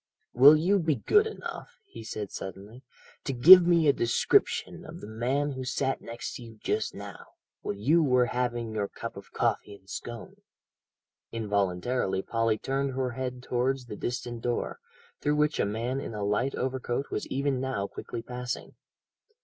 "Will you be good enough," he said suddenly, "to give me a description of the man who sat next to you just now, while you were having your cup of coffee and scone." Involuntarily Polly turned her head towards the distant door, through which a man in a light overcoat was even now quickly passing.